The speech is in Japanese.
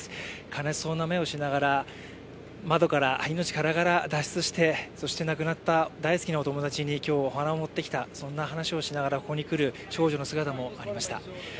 悲しそうな目をしながら窓から命空が脱出してそして亡くなった大好きなお友達に今日お花を持ってきた、そんな話をしながらここに来る少女の姿もありました。